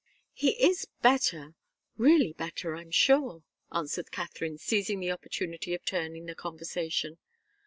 "He is better really better, I'm sure," answered Katharine, seizing the opportunity of turning the conversation.